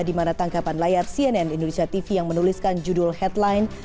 di mana tangkapan layar cnn indonesia tv yang menuliskan judul headline